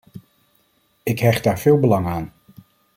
Ik hecht daar veel belang aan.